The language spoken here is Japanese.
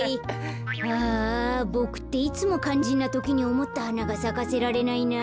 ああボクっていつもかんじんなときにおもったはながさかせられないな。